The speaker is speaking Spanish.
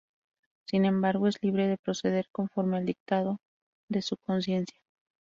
Sin embargo es libre de proceder conforme al dictado de su conciencia.